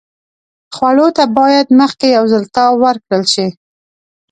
خوړو ته باید مخکې یو ځل تاو ورکړل شي.